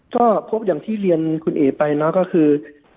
ก็พบอย่างที่เรียนคุณเอ๋ไปเนอะก็คือ